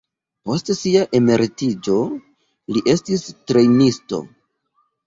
Post sia emeritiĝo, li estis trejnisto.